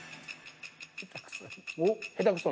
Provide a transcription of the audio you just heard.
下手くそ。